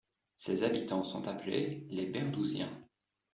Ses habitants sont appelés les Berdousiens.